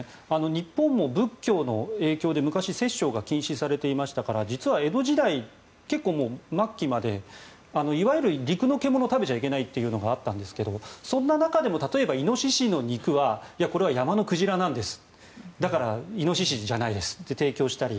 日本も仏教の影響で昔、殺生が禁止されていましたから実は江戸時代、結構、末期までいわゆる陸の獣を食べちゃいけないというのがあったんですがそんな中でも例えば、イノシシの肉はこれは山の鯨なんですだからイノシシじゃないですって提供したり。